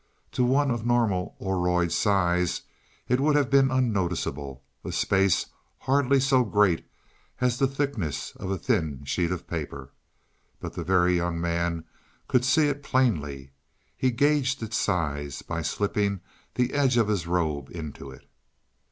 To one of normal Oroid size it would have been unnoticeable a space hardly so great as the thickness of a thin sheet of paper. But the Very Young Man could see it plainly; he gauged its size by slipping the edge of his robe into it.